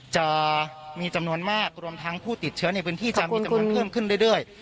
จะมีจำนวนมากรวมทั้งผู้ติดเชื้อในพื้นที่จะมีจำนวนเพิ่มขึ้นเรื่อย